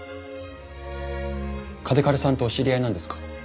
嘉手刈さんとお知り合いなんですか？